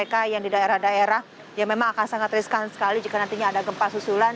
mereka yang di daerah daerah yang memang akan sangat riskan sekali jika nantinya ada gempa susulan